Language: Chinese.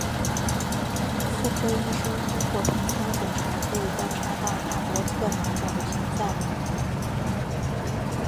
妇科医生通过盆腔检查可以观察到纳博特囊肿的存在。